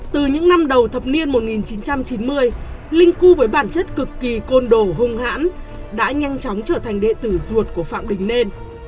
từ những năm đầu thập niên một nghìn chín trăm chín mươi linh cu với bản chất cực kỳ côn đồ hung hãn đã nhanh chóng trở thành địa tử ruột của phạm đình nên